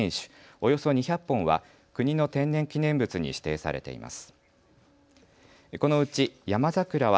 およそ２００本は国の天然記念物に指定されています。